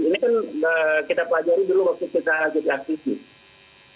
ini kan kita pelajari dulu waktu kita jadi aktivis